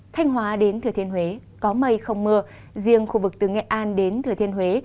thanh hóa đến thừa thiên huế có mây không mưa riêng khu vực từ nghệ an đến thừa thiên huế